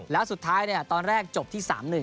แล้วสุดท้ายตอนแรกจบที่๓๑